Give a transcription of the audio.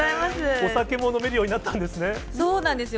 お酒も飲めるようになったんそうなんですよ。